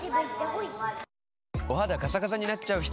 お肌カサカサになっちゃう人。